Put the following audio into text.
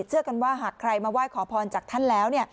เชื่อกันว่าหากใครมาไหว้ขอพรจากท่านแล้ว